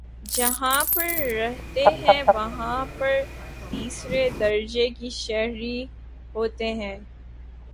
جہاں پر رہتے ہیں وہاں پر تیسرے درجے کے شہری ہوتے ہیں